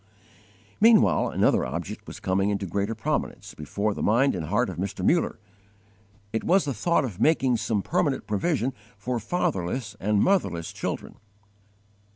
Meanwhile another object was coming into greater prominence before the mind and heart of Mr. Muller: it was the thought of _making some permanent provision for fatherless and motherless children.